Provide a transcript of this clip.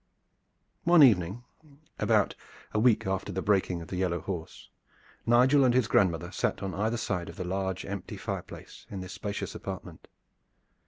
One evening about a week after the breaking of the yellow horse, Nigel and his grandmother sat on either side of the large empty fireplace in this spacious apartment.